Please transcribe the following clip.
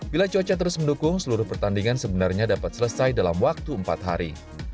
bila cuaca terus mendukung seluruh pertandingan sebenarnya dapat selesai dalam waktu empat hari